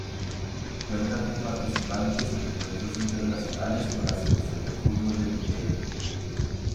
Cuenta con participaciones en encuentros internacionales con la selección de fútbol de Nigeria.